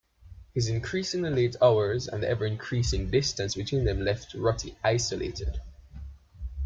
His increasingly late hours and the ever-increasing distance between them left Ruttie isolated.